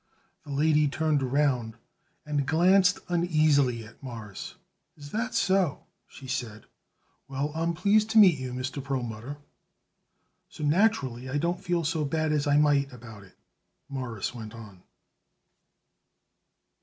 The lady turned around and glanced uneasily at Morris. "Is that so?" she said. "Well, I'm pleased to meet you, Mr. Perlmutter." "So, naturally, I don't feel so bad as I might about it," Morris went on.